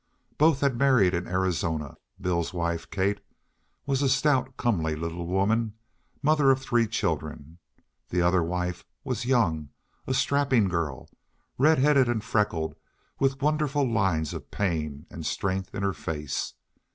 Both had married in Arizona. Bill's wife, Kate, was a stout, comely little woman, mother of three of the children. The other wife was young, a strapping girl, red headed and freckled, with wonderful lines of pain and strength in her face.